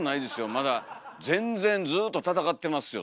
まだ全然ずっと戦ってますよ